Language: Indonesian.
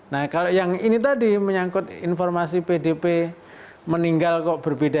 nah kalau yang ini tadi menyangkut informasi pdp meninggal kok berbeda